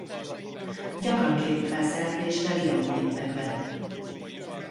Gyakran kérik fel szereplésre videóklipekben.